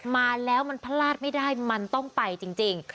มาแล้วมันพลาดไม่ได้มันต้องไปจริง